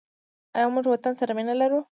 آیا موږ وطن سره مینه لرو؟